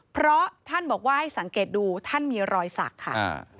เพราะท่านบอกว่าให้สังเกตดูท่านมีรอยสักค่ะ